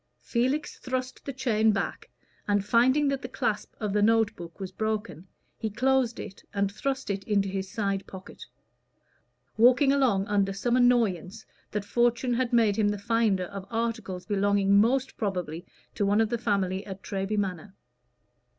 Felix thrust the chain back, and finding that the clasp of the note book was broken, he closed it and thrust it into his side pocket, walking along under some annoyance that fortune had made him the finder of articles belonging most probably to one of the family at Treby Manor.